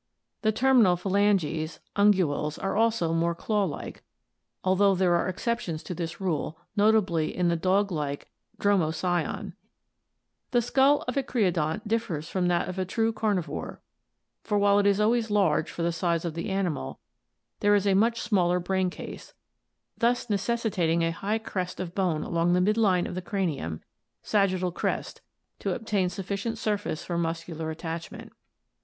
The terminal phalanges (unguals) are also more claw like, although there are exceptions to this rule, notably in the dog like Dromocyon (Fig. 176, C; PI. XVII). The skull of a creodont differs from that of a true car nivore, for while it is always large for the size of the animal, there is a much smaller brain case, thus necessitating a high crest of bone along the mid line of the cranium (sagittal crest) to obtain sufficient surface for muscular attachment.